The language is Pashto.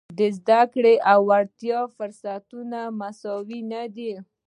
د زده کړې او وړتیاوو فرصتونه مساوي نه دي.